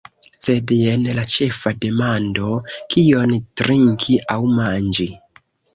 Sed jen la ĉefa demando: « kion trinki aŭ manĝi."